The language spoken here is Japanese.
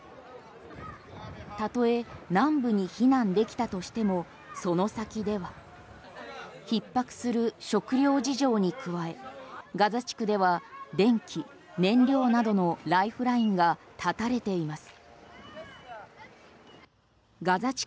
たとえ南部に避難できたとしてもその先では逼迫する食料事情に加えガザ地区では電気、燃料などのライフラインが断たれています。